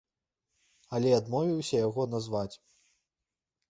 Але адмовіўся яго назваць.